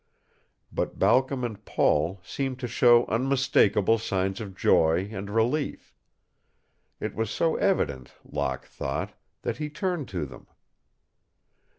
But Balcom and Paul seemed to show unmistakable signs of joy and relief. It was so evident, Locke thought, that he turned to them.